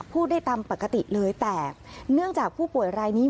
พูดได้ตามปกติเลยแต่เนื่องจากผู้ป่วยรายนี้